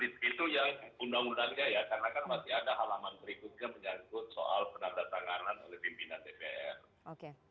itu yang undang undangnya ya karena kan masih ada halaman berikutnya menyangkut soal penandatanganan oleh pimpinan dpr